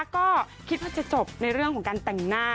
ก็คิดว่าจะจบในเรื่องของการแต่งหน้า